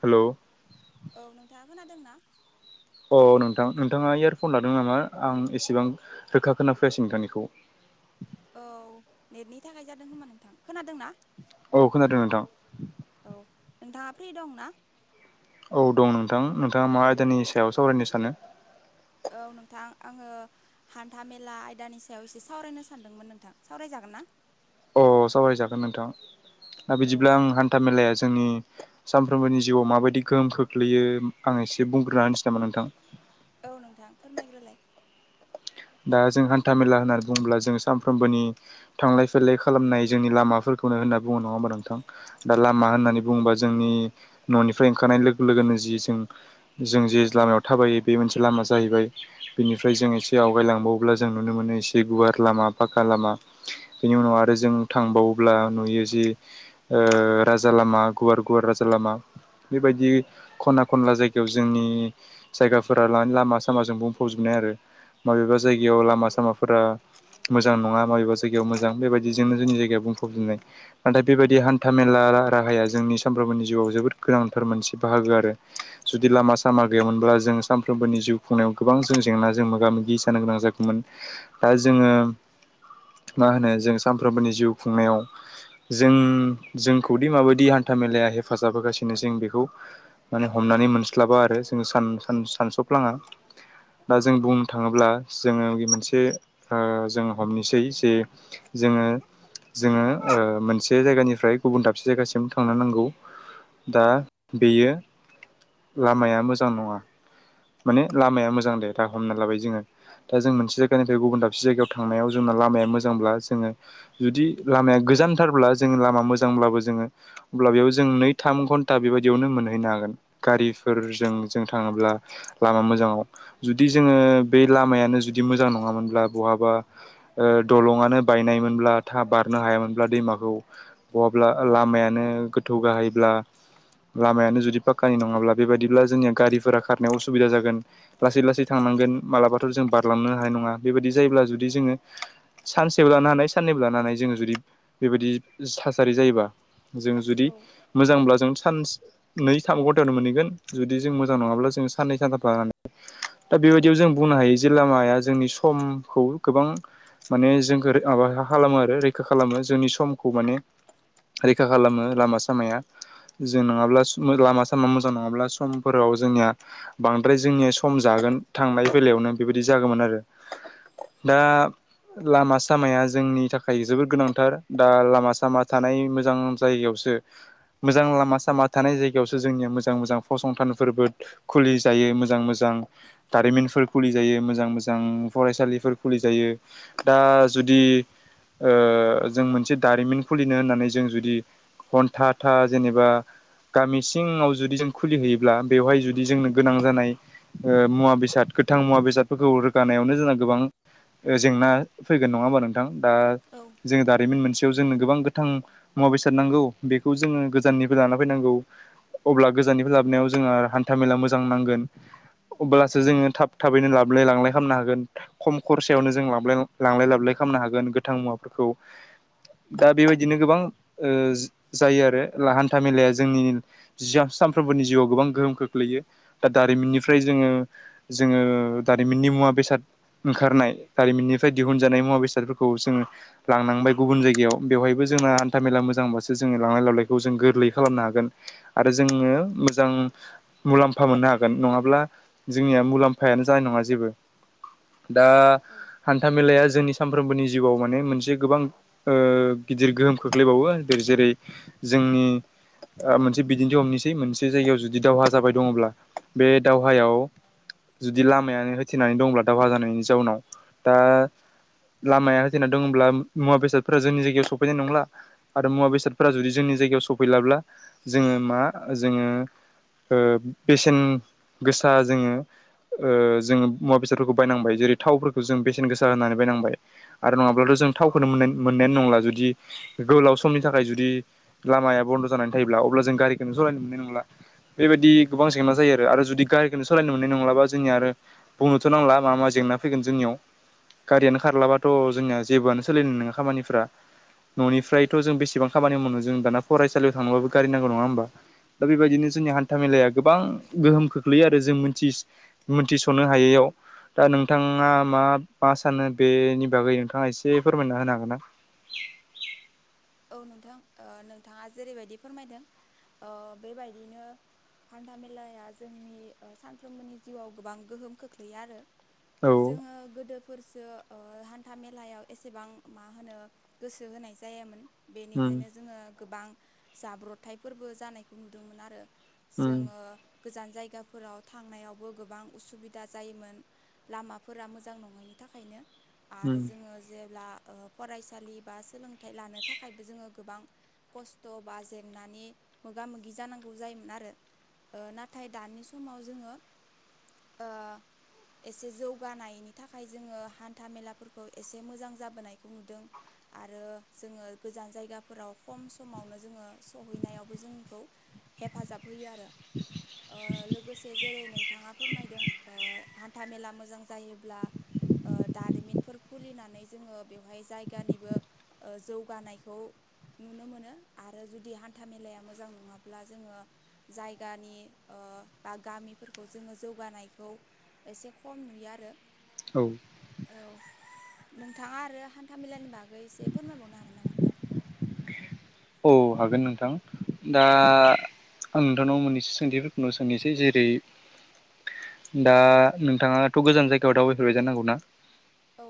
हेल औ नोंथाङा खोनादोंना अ नोंथां नोंथाङा इयारफन लादों नामा आं एसेबां रोखा खोना फैयाासै नोंथांनिखौ [inaudible] औ नेटनि थाखाय जादों होनोमा नोंथां खोनादों ना औ खोनादों नोंथां। औ नोंथाङा फ्रि दं ना? औ दं नोंथां नोंथाङा मा आयदानि सायाव सावरायनो सानो? औ नोंथां आङो हान्था मेला आयदानि सायाव एसे सावरायनो सानदोंमोन नोंथां सावरायजाख गोन ना? अ सावरायजागोन नोंथां दा औ बिदिब्ला आं हान्था मेलाया जोंनि सानफ्रोमबोनि जिउआव माबायदि गोहोम खोख्लैयो आं एसे बुंग्रोना होनोसै नामा नोंथां? औ नोंथां फोरमायग्रोलाय। दा जों हान्था मेला होननानै बुङोब्ला जों सानफ्रोमबोनि थांलाय फैलाय खालामनाय जोंनि लामाफोर खौनो होनना बुङो नङा होमबा नोंथां? दा लामा होननानै बुङोबा जोंनि न'निफ्राय ओंखारनाय लोगो लोगोनो जि जों जों जेस लामायाव थाबायो बे मोनसे लामा जाहैबाय बेनिफ्राय जों ए आवगायलांबावब्ला जों नुनो मोनो एसे गुवार लामा फाका लामा बेनि उनाव आरो जों थांबाव अब्ला नुयो जि ओ राजा लामा गुवार गुवार राजा लामा बेबायदि खना खनला जायगायाव जोंनि जायगाफोरा लानानै लामा सामाज जों बुंफावजोबने आरो माबेबा जायगायाव लामा सामाफोरा मोजां नङा माबेबा जायगायाव मोजां बेबायदिजोंनो जोंनि जायगायाव बुंफबजेननाय नाथाय बेबायदि हान्था मेला रा राया जोंनि सानफ्रोमबोनि जिउआव जोबोद गोनांथार मोनसे बाहागो आरो जुदि लामा सामा गैयामोनब्ला बा जों सानफ्रोमबोनि जिउ खुंनायाव गोबां जों जेंना जों मोगा मोग गि जानो गोनां जाखोमोन दा जोङो मा होनो जों सानफ्रोमबोनि जिउ खुंनायाव जों जोंखौदि माबायदि हान्था मेलाया हेफाजाब होगासिनो जों बेखौ माने हम नानै मोनस्लाबा आरो जोङो सान-सान-सानसप्लांया दा जों बुं थाङोब्ला जोङो बि मोनसे आ जों हमनोसै जे जोङो जोङो ओ मोनसे जायगानिफ्राय गुबुन दाबसे जायगासिम थांनो नांगौ दा बेयो लामाया मोजां नङा माने लामाया मोजां दे दा हमना लाबाय जोङो दा जों मोनसे जायगानिफ्राय गुबुन दाबसे जायगायाव थांनायाव जोंना लामाया मोजांब्ला जोङो जुदि लामाया गोजानथारब्ला जो लामा मोजांब्लाबो जोङो अब्ला बेयाव जों नै थाम घन्टा बेबायदियावनो मोन नै नागोन गारिफोरजों जों थाङोब्ला लामा मोजांआव जुदि जोङो बे लामायानो जुदि मोजां नङामोनब्ला बहाबा ओ दलङनो बायनायमोनब्ला था बारनो हायामोनब्ला दैमाखौ बहाब्ला लामायानो गोथौ गाहायब्ला आ लामायानो जुदि पाक्कायनि नङाब्ला बेबायदिब्ला जोंनिया गारिफोरा खारनायाव असुबिदा जागोन लासै लासै थांनांगोन मालाबाथ' जों बारलांनो हानाय नङा बेबायदि जायोब्ला जुदि जोङो सानसेव लानानैस साननैबो लानानै जोङो जुदि बेबायदि थासारि जायोबा जों जुदि औ मोजांब्ला जों सानस नै थाम ग'थानु मोनैगोन जुदि जों मोजां नङाब्ला जों साननै बाराबा दा बियै दियाव जों बुंनो हायो जे लामाया जोंनि समखौ गोबां माने जोंखौर आबा खालामो आरो रैखा खालामो जोंनि समखौ माने रैखा खालामो लामा सामाया जों नङाब्ला लामा सामा मोजां नङाब्ला समफोराव जोंनिया बांद्राय जे जोंनिया सम जागोन थांनाय फैलायावनो बेबायदि जागौमोन आरो दा लामा सामाया जोंनि थाखाय जोबोद गोनांथार दा लामा सामा थानाय मोजां जायगायाव सो मोजां लामा सामा थानाय जायगायावसो जोंनिया मोजां मोजां फसंथानफोरबो खुलि जायो मोजां मोजां उम दारिमिनफोर खुलि जायो मोजां मोजां फरायसालिफोर खुलि जायो दा जुदि ओ जों मोनसे दारिमिन खुलिनो होननानै जों जुदि हन्था था जेनेबा गामि सिङाव जुदि जों खुलिहैयोब्ला बेवहाय जुदि जोंनो गोनां जानाय ओ मुवा बेसा द गोथां मुवा बेसादफोरखौ रोगानायावनो जोंना गोबां जेंना फैगोन नङा होनोमबा नोंथां। दा औ जोङो दारिमिन मोनसेयाव जोंनो गोबां गोथां मुवा बेसाद नांगौ बेखौ जोङो गोजाननिफ्राय लाना फैनांगौ। अब्ला गोजाननिफ्राय लाबोनाव जोंहा हान्था मेला मोजां नांगोन अब्ला सो जोङो थाब थाबैनो लाबोलाय लांलाय खालामनो हागोन खम खरसायावनो जों लांलाय लाबोलाय खालामनो हागोन। गोथां मुवाफोरखौ दा बेबायदिनो गोबां ओ जायो आरो ला हान्था मेलाया जोंनि सानफ्रोमबोनि जिउआव गोबां गोहोम खोख्लैयो दा दारिमिननिफ्राय जोङो जोङो दारिमिननि मुवा बेसाद ओंखारनाय जारिमिननिफ्राय दिहुनजानाय मुवा बेसादफोरखौ जोंङो लांनांबाय गुबुन जायगायाव बेवहायबो जोंना हान्था मेला मोजांबासो जोङो लांलाय लाबोलायखौ जों गोरलै खालामनो हागोन आरो जोङो मोजां मुलाम्फा मोननो हागोन नङाब्ला जोंनिया मुलाम्फायानो जानाय नङा जेबो दा हान्था मेलाया जोंनि -' सानफ्रोमबोनि जिउआव माने मोनसे ओ गोबां गिदिर गोहोम खोख्लैबावो जेरै जों नि ओ मोनसे बिदिन्थि हमनोसै मोनसे जायगायाव जुदि दावहा जाबाय दङब्ला बे दावहायाव जुदि लामायानो होथेनानै दंब्ला दावहा जानायनि जाउनाव दा लामाया होथेना दङब्ला मुवा बेसादफोरा जोंनि जायगायाव सफैनाय नंला आरो मुवा बेसादफोरा जुदि जोंनि जायगायाव सौफैयाबल जोडों मा जोडों ओ बेसेन गोसा जोङो ओ जोङो मुवा बेसादफोरखौ बायनांबाय जेरै थावफोरखौ जों बेसेन गोसा होनानै बायनांबाय आरो नङाब्लाथ' जों जों थावखौ मोनाय-मोननायानो नंला जुदि गोलाव समनि थाखाय जुदि लामाया बन्द' जानानै थायोब्ला। अब्ला जों गारिखौ सालायनो मोननाय नंला बेबायदि गोबां जेंना जायो आरो जुदि गारि गारिखौनो सालायनो मोननाय नंलाबा जोंनिया आरो बुंनोथ' नांला मा मा जेंना फैगोन जोंनियाव। गारियानो खारलाबाथ' जोंनिया जेबोआनो सोलिनाय नङा खामानिफ्रा। न'निफ्रायथ' जों बेसेबां खामानि मावनो जों दाना फरायसालियाव थांनोबाबो गारि नांगौ नङा होमबा। दा औ बेबायदिनो जोंनि हान्था मेलाया गोबां गोहोम खोख्लैयो आरो। जों मोथि- मिथिस'नो हायैयाव दा नोंथाङा मा मा सानो बेनि बागै नोंथाङा एसे फोरमायना होनो हागोन ना? [inaudible] औ नोंथां ओ नोंथाङा जेरै बायदि फोरमायदों ओ बेबायदिनो हान्था मेलाया जोंनि ओ सानफ्रोमबोनि जिउआव गोबां गोहोम खोख्लैयो आरो। हागोन ना औ जोङो गोदोफोर सो ओ हान्था मेलायाव एसेबां मा होनो गोसो होनाय जायामोन। उम बेनिखायनो जोङो गोबां जाब्रथायफोरबो जानायखौ नुदोंमोन आरो। उम जोङो गोजान जायगाफोराव थांनायावबो गोबां उसुबिदा जायोमोन लामाफोरा मोजां नङैनि था थाखायनो आरो उम जोङो जेब्ला ओ फरायसालि बा सोलोंथाइ लानो थाखायबो जोङो गोबां खस्थ' बा जेंनानि मोगा मोगि जानांगौ जायोमोन आरो। नाथाय दानि समाव जोङो ओ एसे जौगानायनि थाखाय जोङो हान्था मेलाफोरखौ एसे मोजां जाबोनायखौ नुदों आरो जोङो गोजान जायगाफोराव खम समावनो जोङो सहैनायावबो जोंखौ हेफाजाब सफैयो आरो ओ लोगोसे जेरै नोंथाङा फोरमायदों हान्था मेला मोजां जायोब्ला दारिमिनफोर खुलिनानै जोङो बेवहाय जायगानिबो जौगानाय खौ [inaudible] नुनो मोनो आरो जुदि हान्था मेलाया मोजां नङाब्ला जोङो जायगानि ओ गामिफोरखौ जोङो जौगानायखौ एसे खम नुयो आरो औ औ नोंथाङा आरो हान्था मेलानि बागै एसे फोरमायबावनो हागोन नामा नोंथां औ हागोन नोंथां दा आं नोंथांनाव मोननैसो सोंथिफोरखौनो सोंनोसै जेरै दा नोंथाङाथ' गोजान जायगायाव दावबायफेरबाय जानोनांगौ ना औ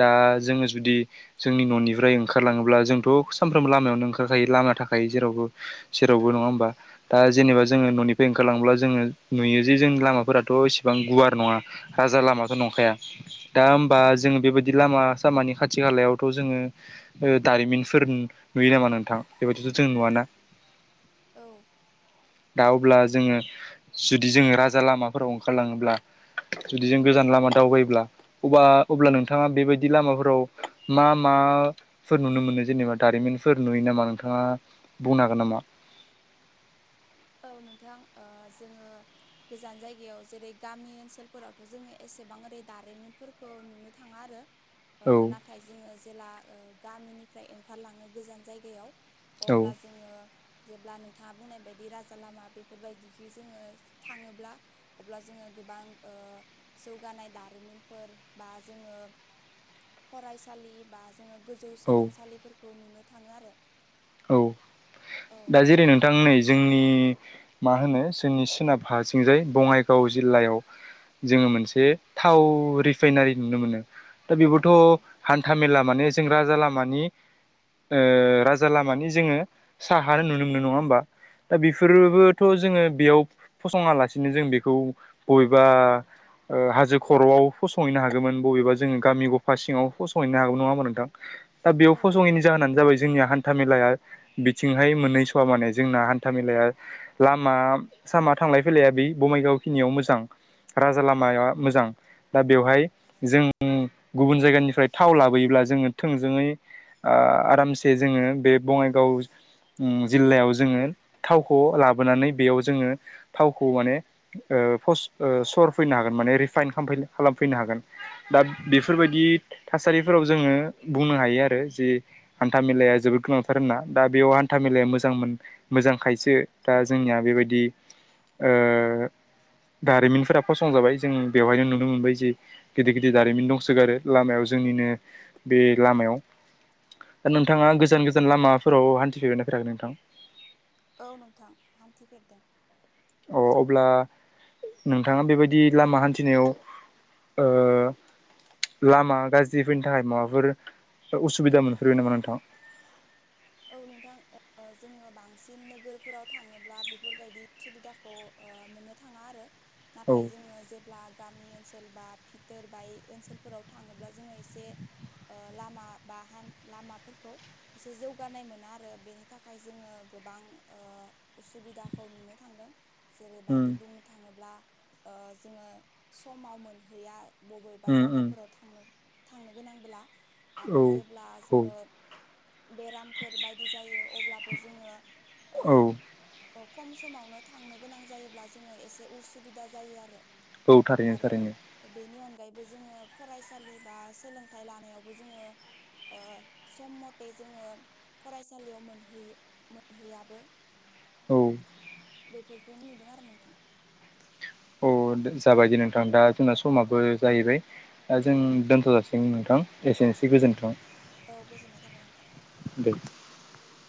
दा जोङो जुदि जोंनि न'निफ्राय ओंखारलाङोब्ला जोंथ' सानफ्रोमबो लामायावनो ओंखारखायो लामाया थाखायो जेरावबो जेरावबो नङा होमबा दा जेनेबा औ जोङो ननिफ्राय ओंखारलांब्ला जोङो नुयो जे जोंनि लामाफोराथ' एसेबां गुवार नङा हाजा लामाथ' नंखाया दा होमबा जोङो बेबायदि लामा सामानि खाथि खालायावथ' जोङो दारिमिनफोर नुयो नामा नोंथां बेबायदिथ' जों नुवाना [inaudible] दा अब्ला जोङो जुदि जोङो राजा लामाफोराव ओंखारलाङोब्ला जुदि जों गोजान लामा दावबायोब्ला अब अब्ला नोंथाङा बेबायदि लामाफोराव मा माफोर नुनो मोनो जेनेबा नोंथाङा बुंनो हागोन नामा औ ओ नोंथां जोङो गोजान जायगायाव जेरै गामि ओनसोलफोरावथ' जोङो एसेबां ओरै दारिमिनफोर नुनो थाङा आरो औ नाथाय जोङो जेला गामिनिफ्राय ओंखारलाङो गोजान जायगायाव औ अब्ला जोङो जेब्ला नोंथाङा बुंनाय बायदि राजा लामा बेफोरबायदिखै जोङो थाङोब्ला अब्ला जोङो गोबां ओ जौगानाय दारिमिनफोर बा जोङो फरायसालि बा जोङो गोजौ औ सोलोंसालिफोरखौ नुनो थाङो आरो [inaudible] औ दा जेरै नोंथां नै जोंनि मा होनो जोंनि सोनाबहाथिंजाय बङाइगाव जि जिल्लायाव जोङो मोनसे थाव रिफाइनारि नुनो मोनो दा बेबोथ' औ हान्था मेला माने जों राजा लामानि ओ राजा लामानि जोङो साहा नुनो मोनो नङा होमबा दा औ बेफोरबोथ' जोङो बेयाव फसङा लासिनो जों बेखौ बबेबा हाजो खर'आव फसंहैनो हागौमोन बबेबा जों गामि गफा सिावस सहनो हागौ नङा होना नोंथां दा बेयाव फसङैनि जाहोनानो जाबाय जोंनिया हान्था मेलाया हाय मोननैसा माने जोंना हान्था मेलाया लामा आसामा थांलाय फैलाया बा बङाइगावखिनियाव मोजां राजा लामाया मोजां दा बेवहाय जों गुबुन जायगानिफ्राय थाव लाबोयोब्ला जोङो थोंजोङै आरामसे जोङो बे बङाइगाव जिल्लायाव जोङो थावखौ लाबोनानै बेयाव जोङो थावखौ माने ओ सर फैनो हागोन माने रिफाइन खालामफैनो हागोन दा बेफोरबायदि थासारिफोर फोराव जोङो बुंनो हायो आरो जि हान्था मेलाया जोबोद गोनांथार दा बेयाव हान्था मेलाया मोजां मोन मोजांखायसो दा जोंनिया बेबायदि ओ दारिमिनफोरा फसं जाबाय जों बेवहायनो नुनो मोनबाय जे गिदिर गिदिर दारिमिन दंसोगार आरो लामायाव जोंनिनो बे लामायाव दा औ नोंथाङा गोजान गोजान लामा औ नोंथां हान्थिफेरदों अ अब्ला नोंथाङा बेबायदि लामा हान्थिनायाव ओ लामा गाज्रिफोरनि थाखाय माबाफोर उसुबिदा मोनफेरबाय नामा नोंथां औ नोंथां जोङो बांसिन नोगोरफोराव थाङोब्ला बेफोरबायदि सुबिदाखौ मोननो थाङा आरो औ नाथाय जोङो जेब्ला गामि ओनसोल बा भिथोर बाय ओनसोलफोराव थाङोब्ला जोङो एसे ओं लामा बा हा लामाफोरखौ एसे जौ जौगानाय मोना आरो बेनि थाखाय जोङो गोबां ओं उसुबिदाखौ नुनो थांदों। उम जेरैबायदि बुंनो थाङोब्ला ओं जोङो समाव मोनहैया। बबेबा उम उम जागाफोराव थांनो थांनो गोनांब्ला आरो औ जेब्ला जोङो औ बेरामफोर बायदि जायो अब्लाबो जोङो औ ओं खम समावनो थांनो गोनां जायोब्ला जोङो एसे उसुबिदा जायो आरो। औ थारैनो आरो थारैनो। बेनि अनगायैबो जोङो फरायसालि बा सोलोंथाइ लानायावबो जोङो ओं सम मथे जोङो फरायसालियाव मोनहैयो मोनहैयाबो। औ बेफोरखौनो नुदों आरो नोंथां। औ जाबायदि नोंथां दा जोंना औ समाबो जाहैबाय। दा जों दोनथ' जाासिगोन नोंथां एसेनोसै गोजोनथों। औ गोजोननाय थाबाय नोंथां। दे [unintelligible]